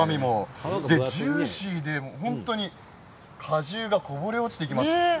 ジューシーで本当に果汁がこぼれ落ちてきます。